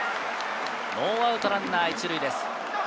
ノーアウトランナー１塁です。